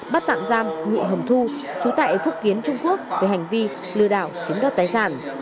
bắt tạm giam nguyễn hồng thu chú tại phúc kiến trung quốc về hành vi lừa đảo chiếm đoạt tài sản